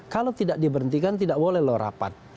kalau tidak diberhentikan tidak boleh loh rapat